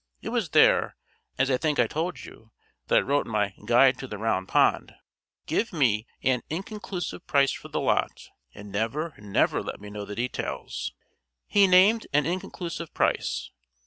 It was there, as I think I told you, that I wrote my 'Guide to the Round Pond.' Give me an inclusive price for the lot, and never, never let me know the details." He named an inclusive price.